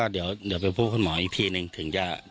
เดี๋ยวไปพูดคุณหมออีกทีนึง